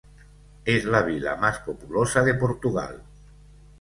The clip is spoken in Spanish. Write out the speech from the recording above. Es la vila más populosa de Portugal.